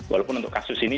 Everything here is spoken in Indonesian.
walaupun untuk kasus ini